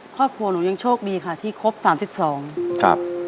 ครอบครัวหนูยังโชคดีค่ะที่ครบ๓๒ครับ